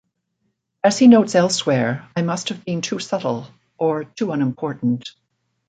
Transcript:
As he notes elsewhere, I must have been too subtle-or too unimportant.